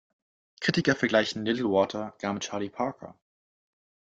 Kritiker vergleichen Little Walter gar mit Charlie Parker.